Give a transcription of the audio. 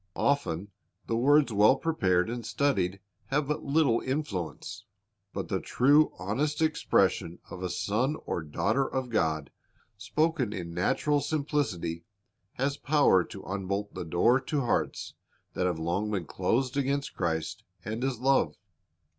Often the words well prepared and studied have but little influence. But the true, honest expression of a son or daughter of God, spoken in natural simplicity, has power to unbolt the door to hearts that have long been closed against Christ and His love.